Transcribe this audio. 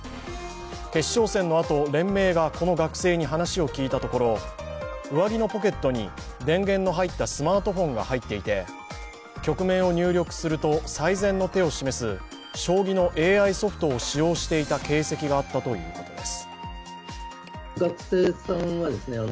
決勝戦のあと、連盟がこの学生に話を聞いたところ上着のポケットに電源の入ったスマートフォンが入っていて局面を入力すると最善の手を示す将棋のＡＩソフトを使用していた形跡があったということです。